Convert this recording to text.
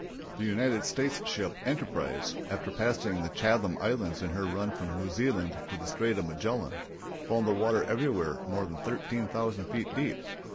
The United States ship Enterprise, after passing the Chatham Islands in her run from New Zealand to the Strait of Magellan, found the water everywhere more than thirteen thousand feet deep.